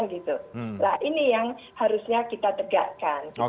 nah ini yang harusnya kita tegakkan